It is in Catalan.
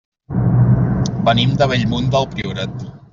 Venim de Bellmunt del Priorat.